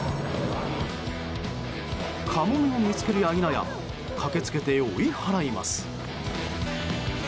カモメを見つけるやいなや駆けつけて追い払います。